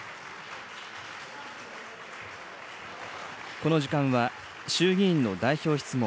この時間は、衆議院の代表質問